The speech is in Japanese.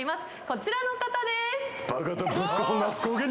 こちらの方です。